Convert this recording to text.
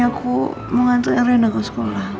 aku mau ngantuin rena ke sekolah